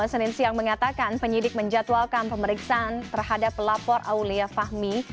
senin siang mengatakan penyidik menjatuhkan pemeriksaan terhadap pelapor aulia fahmi